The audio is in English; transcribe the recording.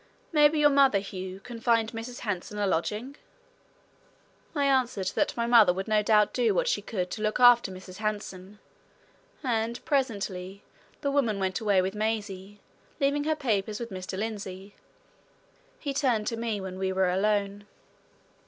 Maybe your mother, Hugh, can find Mrs. Hanson a lodging?" I answered that my mother would no doubt do what she could to look after Mrs. Hanson; and presently the woman went away with Maisie, leaving her papers with Mr. Lindsey. He turned to me when we were alone.